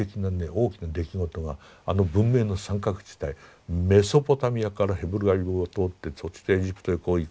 大きな出来事があの文明の三角地帯メソポタミアからヘブライを通ってそしてエジプトへこう行く。